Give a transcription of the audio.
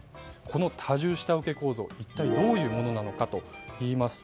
この多重下請け構造は一体どういうものなのか。